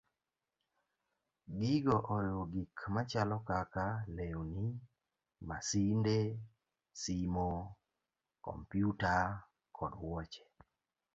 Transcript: Gigo oriwo gik machalo kaka lewni, masinde, simo, kompyuta, kod wuoche.